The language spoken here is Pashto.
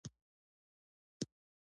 د ارزښتمنو څیزونو د ساتلو ځای هم و.